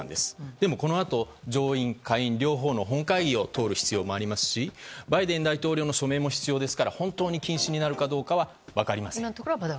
でも、このあと上院・下院の両方の本会議を通る必要がありますしバイデン大統領の署名も必要ですから本当に禁止になるかどうかは分かりません。